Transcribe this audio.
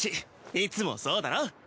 いつもそうだろ？